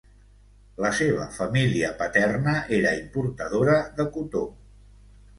La seva família paterna era importadora de cotó.